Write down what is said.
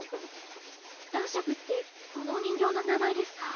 男爵ってこのお人形の名前ですか？